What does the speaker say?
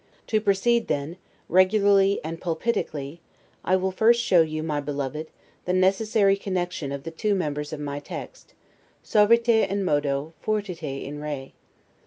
To proceed, then, regularly and PULPITICALLY, I will first show you, my beloved, the necessary connection of the two members of my text 'suaviter in modo: fortiter in re'.